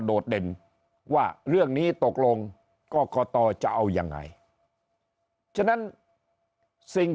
โดดเด่นว่าเรื่องนี้ตกลงกรกตจะเอายังไงฉะนั้นสิ่ง